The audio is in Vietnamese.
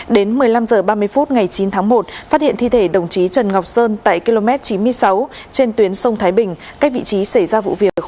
đến một mươi năm h ba mươi phút ngày chín tháng một phát hiện thi thể đồng chí trần ngọc sơn tại km chín mươi sáu trên tuyến sông thái bình cách vị trí xảy ra vụ việc khoảng hai trăm linh m